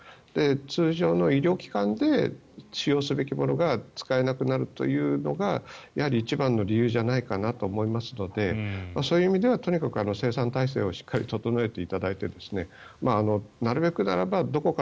通常の医療機関で使用すべきものが使えなくなるというのがやはり一番の理由じゃないかなと思いますのでそういう意味ではとにかく生産体制を三井アウトレットパーク